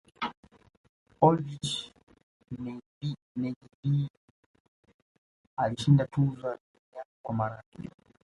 oldrich nejedly alishinda tuzo ya dunia kwa mara ya pili